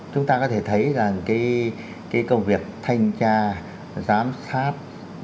chúng ta có thể thấy rằng cái công việc thanh tra giám sát